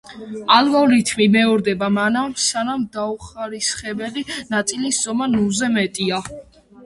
ალგორითმი მეორდება მანამ, სანამ დაუხარისხებელი ნაწილის ზომა ნულზე მეტია.